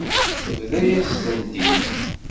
Tebḍa-yas-tent-id.